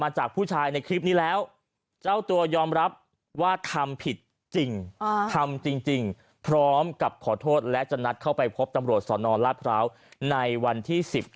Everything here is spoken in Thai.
จากผู้ชายในคลิปนี้แล้วเจ้าตัวยอมรับว่าทำผิดจริงทำจริงพร้อมกับขอโทษและจะนัดเข้าไปพบตำรวจสนราชพร้าวในวันที่๑๙